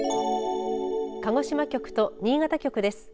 鹿児島局と新潟局です。